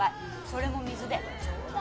それも水で冗談。